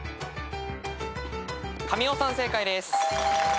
神尾さん正解です。